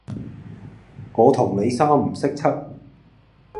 我同你三唔識七